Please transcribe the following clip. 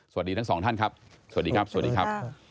สวัสดีทั้งสองท่านครับสวัสดีครับสวัสดีครับ